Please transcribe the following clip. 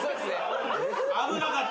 危なかった。